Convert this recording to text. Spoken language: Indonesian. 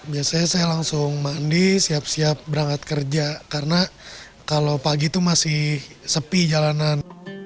biasanya saya langsung mandi siap siap berangkat kerja karena kalau pagi itu masih sepi jalanan